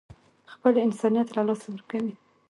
خپل انسانيت له لاسه ورکوي.